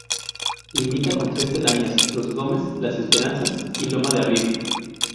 Limita con tres pedanías: Los Gómez, Las Esperanzas y Loma de arriba.